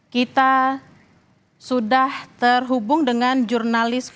kita sudah terhubung dengan jurnalisme